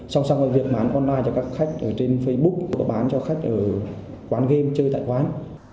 sau xong việc bán online cho các khách trên facebook bán cho khách ở quán game chơi tại quán